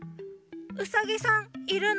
ウサギさんいるの？